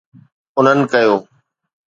انهن ڪيو